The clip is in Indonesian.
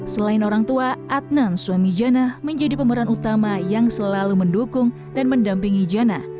selain orang tua adnan suami jana menjadi pemeran utama yang selalu mendukung dan mendampingi jana